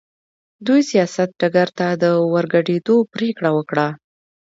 دوی سیاست ډګر ته د ورګډېدو پرېکړه وکړه.